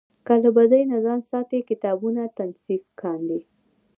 له بدۍ نه ځان ساتي کتابونه تصنیف کاندي.